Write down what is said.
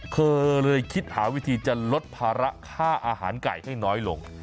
เธอเลยคิดหาวิธีจะลดภาระค่าอาหารไก่ให้น้อยลง